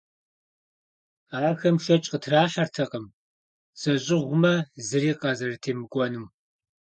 Ахэм шэч къытрахьэртэкъым зэщӏыгъумэ, зыри къазэрытемыкӏуэнум.